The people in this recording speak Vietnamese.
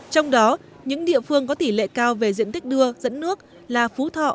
trong đó những địa phương có tỷ lệ cao về diện tích đưa dẫn nước là phú thọ